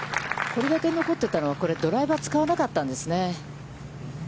これだけ残ってたのは、これドライバーを使わなかったんですね。